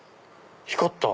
光った。